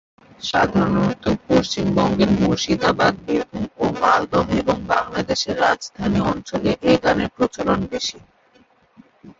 সাধারণত পশ্চিমবঙ্গের মুর্শিদাবাদ, বীরভূম ও মালদহ এবং বাংলাদেশের রাজশাহী অঞ্চলে এ গানের প্রচলন বেশি।